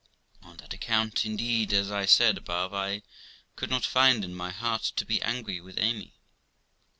On that account, indeed, as I said above, I could not find in my heart to be angry with Amy.